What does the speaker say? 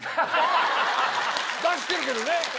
出してるけどね。